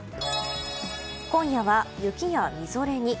今夜は、雪やみぞれに。